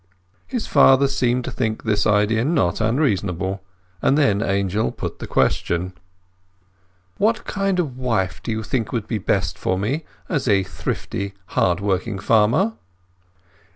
His father seemed to think this idea not unreasonable; and then Angel put the question— "What kind of wife do you think would be best for me as a thrifty hard working farmer?"